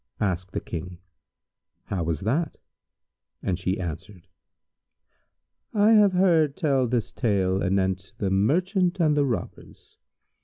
Asked the King, "How was that?" and she answered, "I have heard tell this tale anent The Merchant and the Robbers.